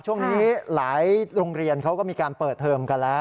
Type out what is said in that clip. ช่วงนี้หลายโรงเรียนเขาก็มีการเปิดเทอมกันแล้ว